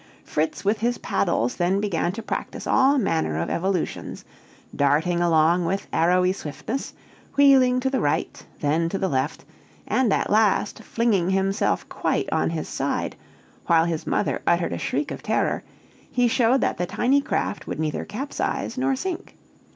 Fritz with his paddles then began to practice all manner of evolutions: darting along with arrowy swiftness, wheeling to the right, then to the left; and at last, flinging himself quite on his side, while his mother uttered a shriek of terror, he showed that the tiny craft would neither capsize nor sink.